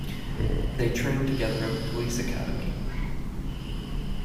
They trained together at the police academy.